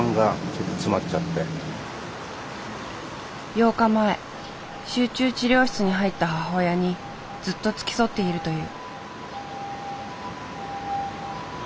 ８日前集中治療室に入った母親にずっと付き添っているという。